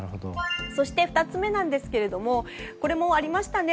そして、２つ目なんですけれどもこれもありましたね。